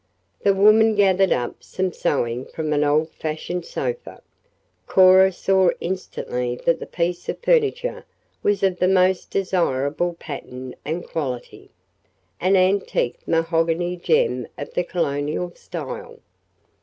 The woman gathered up some sewing from an old fashioned sofa. Cora saw instantly that the piece of furniture was of the most desirable pattern and quality, an antique mahogany gem of the colonial style.